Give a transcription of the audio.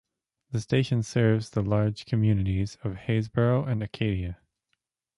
The station serves the large communities of Haysboro and Acadia.